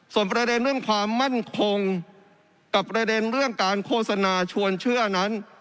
ส่วนประเด็นเรื่องความมั่นคงกับประเด็นเรื่องการโฆษณาชวนเชื่อนั้น